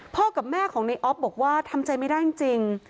กับแม่ของในออฟบอกว่าทำใจไม่ได้จริง